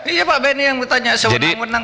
iya pak benny yang bertanya seundang undang